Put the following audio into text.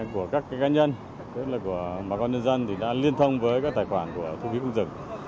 của các cái cá nhân tức là của bà con nhân dân thì đã liên thông với các tài khoản của thu phí công dừng